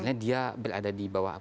karena dia berada di bawah apa